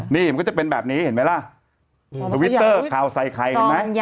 นี่แบบนี้เห็นไหมแหละสวิวเตอร์กลาวไซคายเห็นไหม